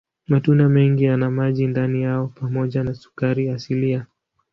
Matunda mengi yana maji ndani yao pamoja na sukari asilia.